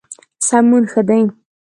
سمون ښه دی.